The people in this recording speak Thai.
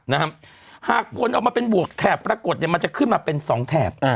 นะครับหากคุณเอามาเป็นบวกแถบปรากฏเนี่ยมันจะขึ้นมาเป็น๒แถบ